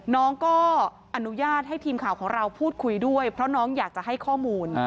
น้องก็อนุญาตให้ทีมข่าวของเราพูดคุยด้วยเพราะน้องอยากจะให้ข้อมูล